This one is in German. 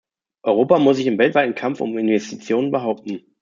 Europa muss sich im weltweiten Kampf um Investitionen behaupten.